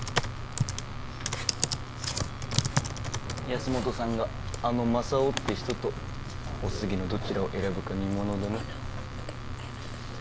保本さんがあのまさをって人とお杉のどちらを選ぶか見ものだな。